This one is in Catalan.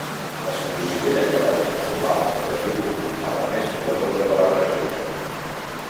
Es considera que va transformar la seva tribu en la més poderosa de la regió.